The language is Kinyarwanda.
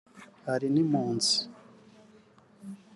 ari n’impunzi